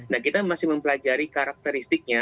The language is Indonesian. nah kita masih mempelajari karakteristiknya